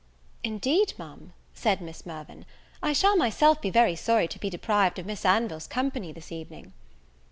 "Indeed Ma'am," said Miss Mirvan, "I shall myself be very sorry to be deprived of Miss Anville's company this evening."